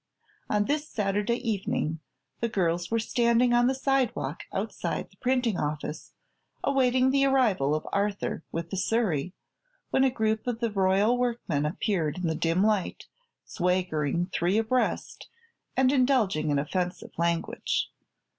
On this Saturday evening the girls were standing on the sidewalk outside the printing office, awaiting the arrival of Arthur with the surrey, when a group of the Royal workmen appeared in the dim light, swaggering three abreast and indulging in offensive language.